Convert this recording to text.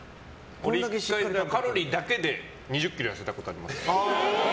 １回、カロリーだけで２０ｋｇ痩せたことありますよ。